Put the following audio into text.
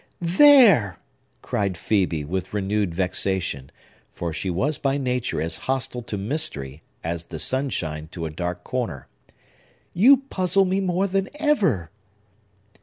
"There!" cried Phœbe with renewed vexation; for she was by nature as hostile to mystery as the sunshine to a dark corner. "You puzzle me more than ever!"